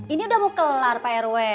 ini udah mau kelar pak rw